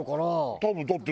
多分だって。